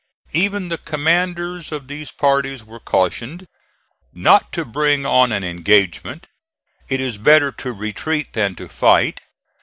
Even the commanders of these parties were cautioned, "not to bring on an engagement." "It is better to retreat than to fight."